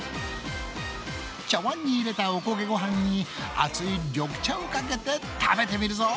茶わんに入れたおこげごはんに熱い緑茶をかけて食べてみるぞ！